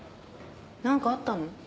何かあったの？